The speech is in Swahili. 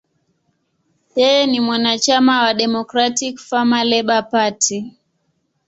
Yeye ni mwanachama wa Democratic–Farmer–Labor Party.